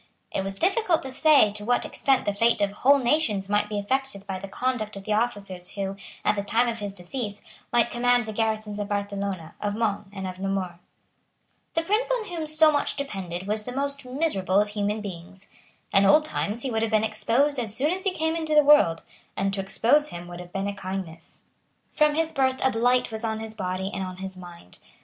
It was difficult to say to what extent the fate of whole nations might be affected by the conduct of the officers who, at the time of his decease, might command the garrisons of Barcelona, of Mons, and of Namur. The prince on whom so much depended was the most miserable of human beings. In old times he would have been exposed as soon as he came into the world; and to expose him would have been a kindness. From his birth a blight was on his body and on his mind.